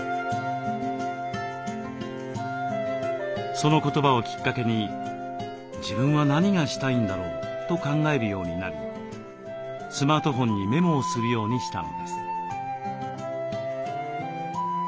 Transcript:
その言葉をきっかけに「自分は何がしたいんだろう？」と考えるようになりスマートフォンにメモをするようにしたのです。